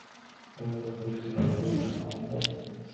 ایا پوهیږئ چې ناروغي امتحان دی؟